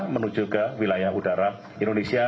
menuju ke wilayah udara indonesia